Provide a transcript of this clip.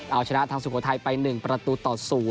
เอาชนะทางสุโขทัยไป๑ประตูต่อ๐